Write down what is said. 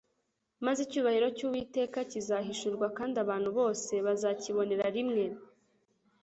Maze icyubahiro cy'Uwiteka kizahishurwa kandi abantu bose bazakibonera rimwe."